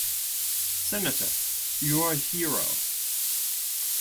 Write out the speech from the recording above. Senator, you're a hero.